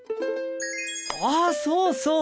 あそうそう！